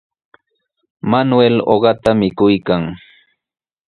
Manuel uqata mikuykan.